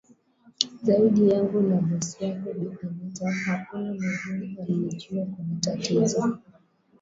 zaidi yangu na bosi wako bi anita hakuna mwingine aliyejua kuna tatizo